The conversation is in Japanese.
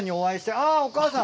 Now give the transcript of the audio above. あぁお母さん！